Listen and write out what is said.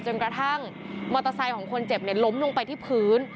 กระทั่งมอเตอร์ไซค์ของคนเจ็บล้มลงไปที่พื้น